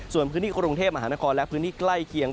ส่วนพื้นที่กรุงเทพมหานครและพื้นที่ใกล้เคียง